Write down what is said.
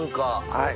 はい。